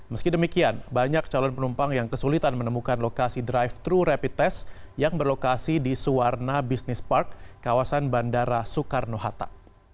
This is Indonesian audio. meski demikian banyak calon penumpang yang kesulitan menemukan lokasi drive thru rapid test yang berlokasi di suwarna business park kawasan bandara soekarno hatta